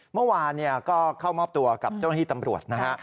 เมื่อวานก็เข้ามอบตัวกับเจ้าหน้าที่ตำรวจนะฮะ